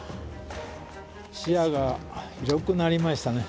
視野が広くなりましたね。